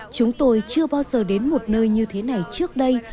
chúng tôi chưa bao giờ đến một nơi như thế này trước đây